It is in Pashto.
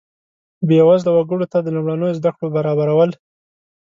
بیوزله وګړو ته د لومړنیو زده کړو برابرول.